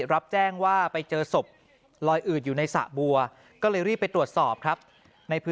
รับแจ้งว่าไปเจอศพ